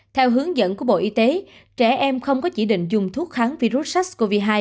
theo hướng dẫn của bộ y tế trẻ em không có chỉ định dùng thuốc kháng virus sars cov hai